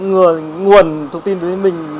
nguồn thông tin với mình